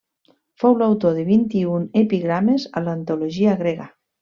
Fou l'autor de vint-i-un epigrames a l'antologia grega.